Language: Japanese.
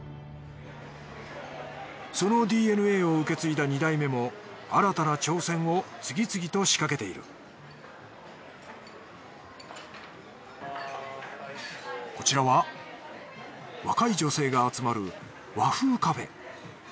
そのＤＮＡを受け継いだ２代目も新たな挑戦を次々と仕掛けているこちらは若い女性が集まる和風カフェ。